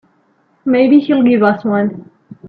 Maybe he'll give us one.